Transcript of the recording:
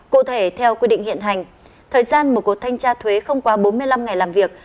cụ thể theo quy định hiện hành thời gian một cuộc thanh tra thuế không quá bốn mươi năm ngày làm việc